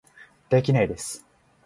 できないです